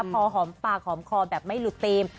พอหอมปากหอมคอแบบไม่หลุดธีม